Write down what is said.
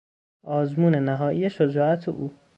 آزمون نهایی شجاعت او